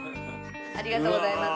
ありがとうございます。